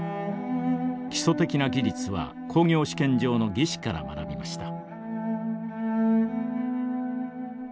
基礎的な技術は工業試験場の技師から学びました。